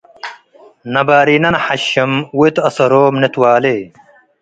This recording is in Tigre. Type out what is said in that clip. ነባሪነ ንሐሽም ወእት አሰሮም ንትዋሌ።